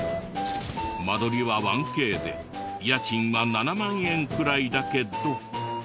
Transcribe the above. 間取りは１Ｋで家賃は７万円くらいだけど。